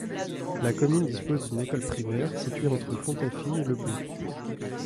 La commune dispose d'une école primaire, située entre Fontafie et le bourg.